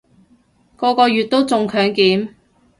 個個月都中強檢